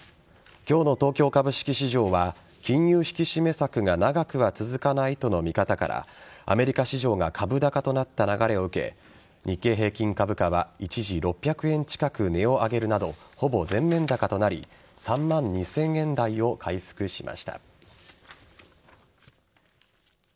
今日の東京株式市場は金融引き締め策が長くは続かないとの見方からアメリカ市場が株高となった流れを受け日経平均株価は一時６００円近く値を上げるなどほぼ全面高となり３万２０００円台を回復しました。